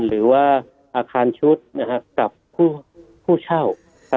หรือว่าอาคารชุดกับผู้เช่า